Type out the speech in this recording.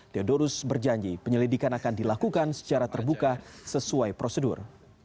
theodorus berjanji penyelidikan akan dilakukan secara terbuka sesuai prosedur